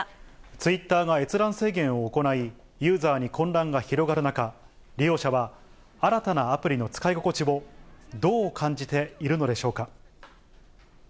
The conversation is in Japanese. ツイッターが閲覧制限を行い、ユーザーに混乱が広がる中、利用者は、新たなアプリの使い心地を、どう感じているのでしょうか。